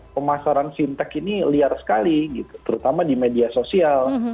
pemasaran fintech ini liar sekali gitu terutama di media sosial